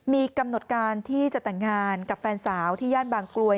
มีกำหนดการที่จะแต่งงานกับแฟนสาวที่ย่านบางกลวย